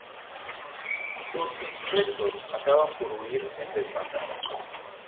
Los insurrectos acaban por huir en desbandada.